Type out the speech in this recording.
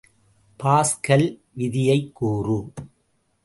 Pascal விதியைக் கூறு.